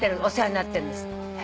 お世話になってるんです。